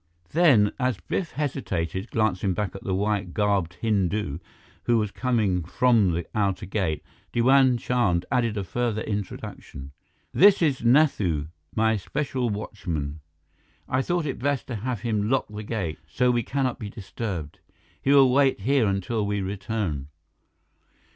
Then, as Biff hesitated, glancing back at the white garbed Hindu, who was coming from the outer gate, Diwan Chand added a further introduction: "This is Nathu, my special watchman. I thought it best to have him lock the gate, so we cannot be disturbed. He will wait here until we return."